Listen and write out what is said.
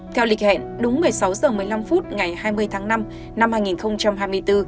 theo lịch hẹn đúng một mươi sáu h một mươi năm phút ngày hai mươi tháng năm năm hai nghìn hai mươi bốn